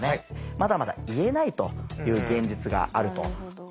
まだまだ言えないという現実があると。